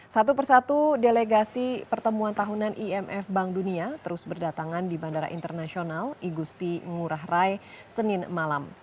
satu persatu delegasi pertemuan tahunan imf bank dunia terus berdatangan di bandara internasional igusti ngurah rai senin malam